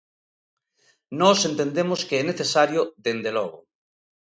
Nós entendemos que é necesario, dende logo.